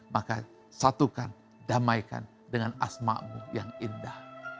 maka satukan damaikan dengan asma'mu yang indah